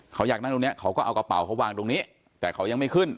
เขาอยากนั่งตรงนี้เขาก็เอากระเป๋าเขาวางตรงนี้แต่เขายังไม่ขึ้น